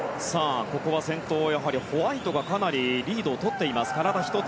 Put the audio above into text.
先頭はやはりホワイトがかなりリードをとっています。